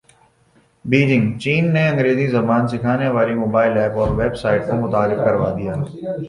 Beijing چین نے انگریزی زبان سکھانے والی موبائل ایپ اور ویب سایٹ کو متعارف کروا دیا ہے